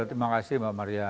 terima kasih mbak maria